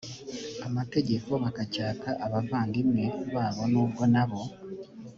amategeko bakacyaka abavandimwe babo nubwo na bo